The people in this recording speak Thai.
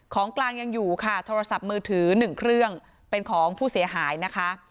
ของกลางยังอยู่ค่ะโทรศัพท์มือถือ๑เครื่องเป็นของผู้เสียหายนะคะ